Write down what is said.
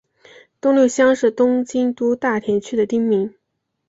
东六乡是东京都大田区的町名。